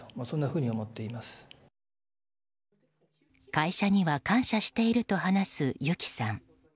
会社には感謝していると話すゆきさん。